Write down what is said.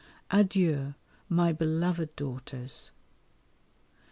Adieu, my beloved daughters.